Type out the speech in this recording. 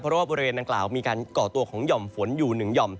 เพราะว่าบริเวณดังกล่าวมีการก่อตัวของหย่อมฝนอยู่๑หย่อม